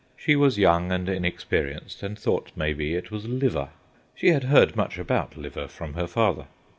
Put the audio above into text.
She was young and inexperienced, and thought, maybe, it was liver. She had heard much about liver from her father.